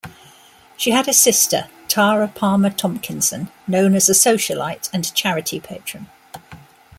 She had a sister, Tara Palmer-Tomkinson, known as a "socialite" and charity patron.